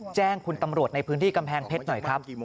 แจ้งคุณตำรวจในพื้นที่กำแพงเพชรหน่อยครับ